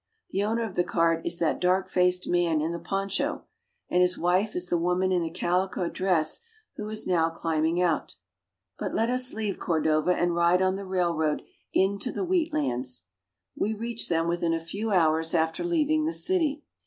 The owner of the cart is that dark faced man in the poncho, and his wife is the woman in the calico dress who is now climbing out. But let us leave Cordova and ride on the railroad into the wheat lands. We reach them within a few hours iSS ARGENTINA. after leaving the city.